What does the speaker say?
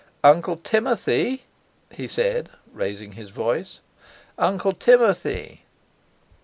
"Uncle Timothy," he said, raising his voice. "Uncle Timothy!"